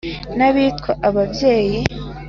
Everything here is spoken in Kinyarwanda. N'abitwa ababyeyi.